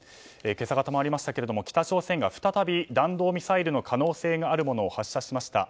今朝方もありましたが北朝鮮が再び弾道ミサイルの可能性のあるものを発射しました。